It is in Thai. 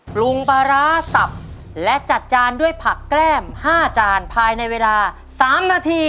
ปรุงปลาร้าสับและจัดจานด้วยผักแก้ม๕จานภายในเวลา๓นาที